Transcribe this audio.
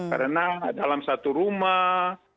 karena dalam satu rumah